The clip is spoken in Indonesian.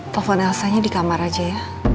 telfon elsa nya di kamar aja ya